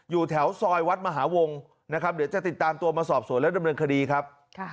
อยู่แถวซอยวัดมหาวงนะครับเดี๋ยวจะติดตามตัวมาสอบสวนและดำเนินคดีครับ